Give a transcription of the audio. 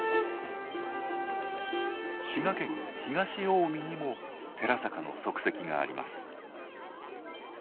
滋賀県東近江にも寺坂の足跡があります。